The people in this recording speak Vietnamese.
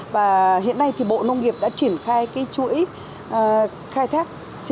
và hiện nay thì bộ nông nghiệp đã triển khai cái chuỗi khai thác